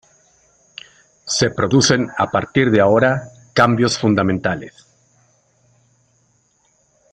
Se producen a partir de ahora cambios fundamentales.